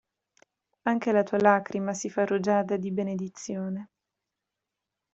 Anche la tua lacrima si fa rugiada di" "benedizione.